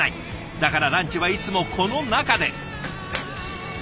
だからランチはいつもこの中で。